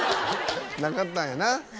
なかったんやな。